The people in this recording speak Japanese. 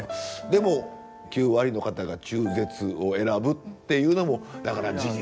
でも９割の方が中絶を選ぶっていうのもだから事実だから。